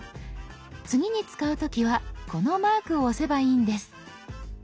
次に使う時はこのマークを押せばいいんです。